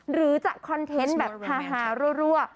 หรือจะคอนเทนต์แบบฮารั่ว